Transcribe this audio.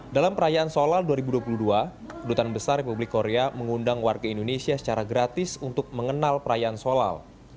dalam perayaan solal dua ribu dua puluh dua kedutaan besar republik korea mengundang warga indonesia secara gratis untuk mengenal perayaan sholal